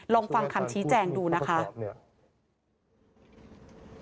ลองฟังคำชี้แจงดูนะคะ